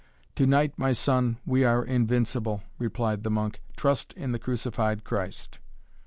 "To night, my son, we are invincible," replied the monk. "Trust in the Crucified Christ!"